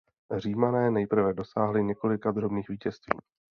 Římané nejprve dosáhli několika drobných vítězství.